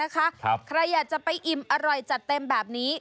ใครอยากจะไปอิ่มอร่อยจัดเต็มแบบนี้